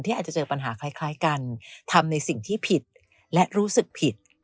อาจจะเจอปัญหาคล้ายกันทำในสิ่งที่ผิดและรู้สึกผิด